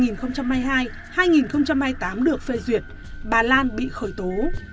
năm hai nghìn hai mươi hai hai nghìn hai mươi tám được phê duyệt bà lan bị khởi tố